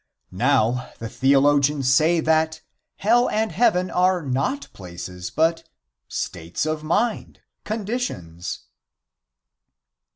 Now the theologians say that hell and heaven are not places, but states of mind conditions.